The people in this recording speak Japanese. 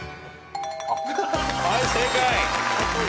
はい正解。